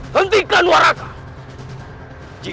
harus diberi aku